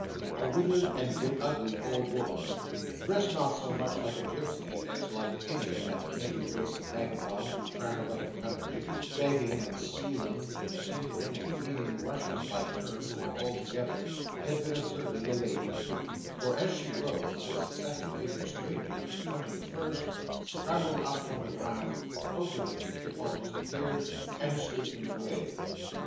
A withered and very ugly old woman, dressed not so much like a gipsy as like any of that medley race of vagabonds who tramp about the country, begging, and stealing, and tinkering, and weaving rushes, by turns, or all together, had been observing the lady, too; for, as she rose, this second figure strangely confronting the first, scrambled up from the ground—out of it, it almost appeared—and stood in the way.